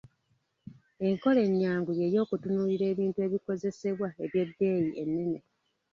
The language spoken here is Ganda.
Enkola ennyangu ye y’okutunuulira ebintu ebikozesebwa eby’ebbeeyi ennene.